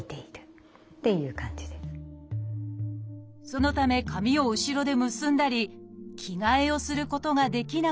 そのため髪を後ろで結んだり着替えをすることができなくなり